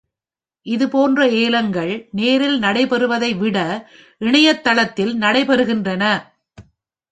இது போன்ற ஏலங்கள் நேரில் நடைப்பெறுவதை விட இணையதளத்தில் நடைப்பெறுகின்றன.